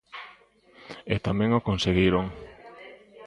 E tamén o conseguiron.